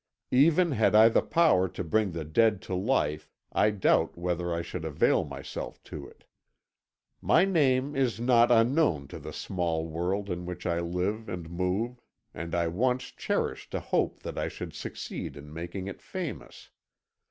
Even had I the power to bring the dead to life I doubt whether I should avail myself of it. "My name is not unknown to the small world in which I live and move, and I once cherished a hope that I should succeed in making it famous.